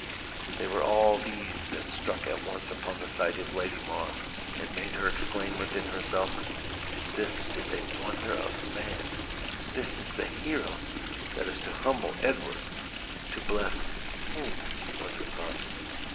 They were all these that struck at once upon the sight of Lady Mar and made her exclaim within herself, "This is a wonder of man! This is the hero that is to humble Edward! to bless whom?" was her thought.